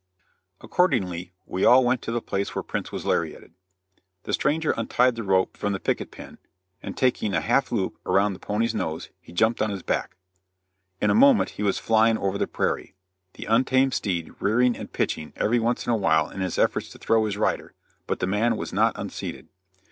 Accordingly we all went to the place where Prince was lariated. The stranger untied the rope from the picket pin, and taking a half loop around the pony's nose, he jumped on his back. In a moment he was flying over the prairie, the untamed steed rearing and pitching every once in a while in his efforts to throw his rider; but the man was not unseated.